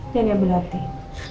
dan dia berlatih